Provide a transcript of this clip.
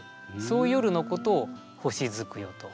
そういう夜のことを星月夜と。